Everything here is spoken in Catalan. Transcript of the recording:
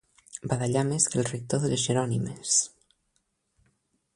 Badallar més que el rector de les Jerònimes.